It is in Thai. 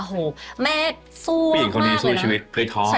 โหแม่สู้มากเลยนะ